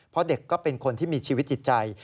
เพราะเด็กก็เป็นคนที่มีชีวิตจิตใจ